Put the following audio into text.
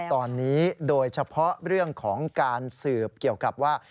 ตอนนี้โดยเฉพาะเรื่องของการสืบเกี่ยวกับว่า